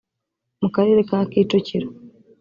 mu karere ka Kicukiro